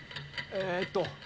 えーっと。